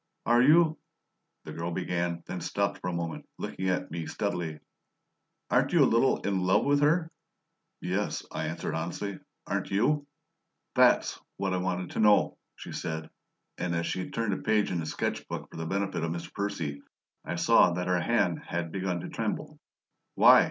"Are you " the girl began, then stopped for a moment, looking at me steadily. "Aren't you a little in love with her?" "Yes," I answered honestly. "Aren't you?" "THAT'S what I wanted to know!" she said; and as she turned a page in the sketch book for the benefit of Mr. Percy, I saw that her hand had begun to tremble. "Why?"